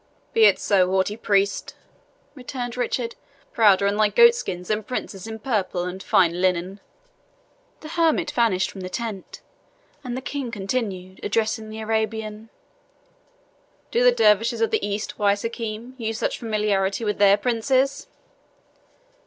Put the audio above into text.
"Be it so, haughty priest," returned Richard, "prouder in thy goatskins than princes in purple and fine linen." The hermit vanished from the tent, and the King continued, addressing the Arabian, "Do the dervises of the East, wise Hakim, use such familiarity with their princes?"